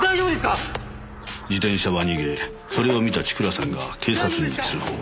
自転車は逃げそれを見た千倉さんが警察に通報。